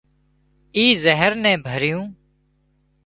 اي زهر ني ڀريون